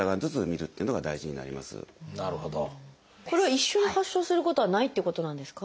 これは一緒に発症することはないっていうことなんですか？